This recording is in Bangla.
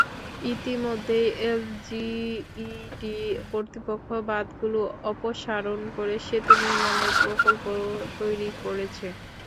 ইতিমধ্যেই এলজিইডি কর্তৃপক্ষ বাঁধগুলো অপসারণ করে সেতু নির্মাণের প্রকল্প তৈরি করেছে।